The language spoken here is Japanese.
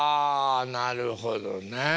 ああなるほどねえ。